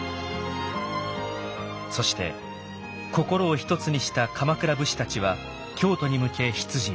そして心を一つにした鎌倉武士たちは京都に向け出陣。